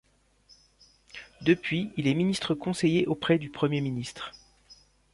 Depuis, il est ministre-conseiller auprès du Premier ministre.